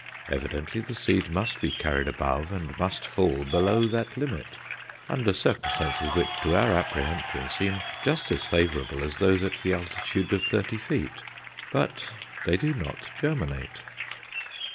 Evidently the seed must be carried above and must fall below that limit, under circumstances which, to our apprehension, seem just as favourable as those at the altitude of thirty feet. But they do not germinate.